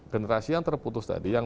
generasi yang terputus tadi yang